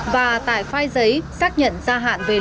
và tải file giấy xác nhận ra hạn về lưu dụng